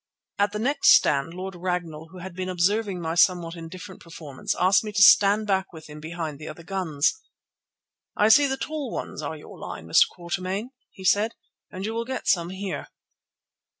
At the next stand Lord Ragnall, who had been observing my somewhat indifferent performance, asked me to stand back with him behind the other guns. "I see the tall ones are your line, Mr. Quatermain," he said, "and you will get some here."